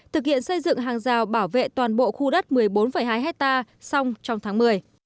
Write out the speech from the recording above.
thực hiện xây dựng hàng rào bảo vệ toàn bộ khu đất một mươi bốn hai hectare xong trong tháng một mươi